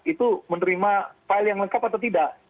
itu menerima file yang lengkap atau tidak